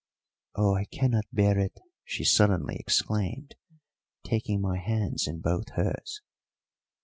"Oh, I cannot bear it!" she suddenly exclaimed, taking my hands in both hers.